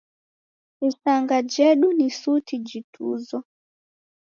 Isanga jedu ni suti jituzo